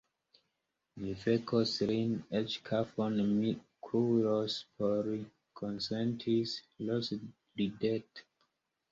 Mi vekos lin, eĉ kafon mi kuiros por li, konsentis Ros ridete.